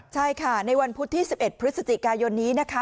ใช่ค่ะในวันพุธที่๑๑พฤศจิกายนนี้นะคะ